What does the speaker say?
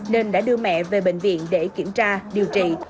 nên đã đưa mẹ về bệnh viện để kiểm tra điều trị